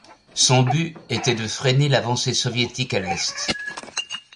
Son but était de freiner l'avancée soviétique à l'est.